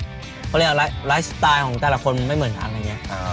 เขาเรียกว่าไลฟ์สไตล์ของแต่ละคนมันไม่เหมือนกันอะไรอย่างนี้